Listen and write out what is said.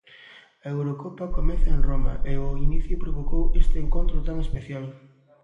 A Eurocopa comeza en Roma e o inicio provocou este encontro tan especial.